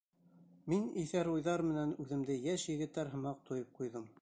Мин иҫәр уйҙар менән үҙемде йәш егеттәр һымаҡ тойоп ҡуйҙым.